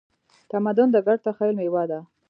تمدن د ګډ تخیل میوه ده.